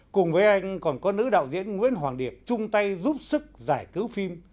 cùng với anh còn có nữ đạo diễn nguyễn hoàng điệp chung tay giúp sức giải cứu phim